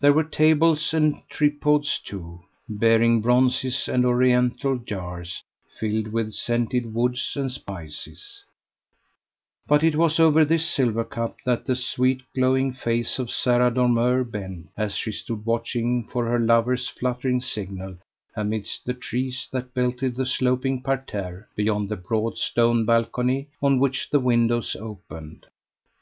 There were tables and tripods too, bearing bronzes and Oriental jars filled with scented woods and spices; but it was over this silver cup that the sweet glowing face of Sara Dormeur bent, as she stood watching for her lover's fluttering signal amidst the trees that belted the sloping parterre, beyond the broad stone balcony on which the windows opened.